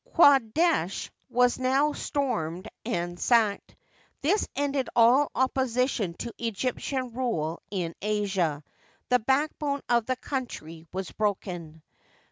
Qadesh was now stormed and sacked. This ended all opposition to Egyptian rule in Asia : the backbone of the country was broken.